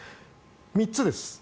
３つです。